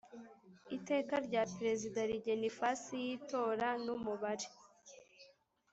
Iteka rya Perezida rigena ifasi y itora n umubare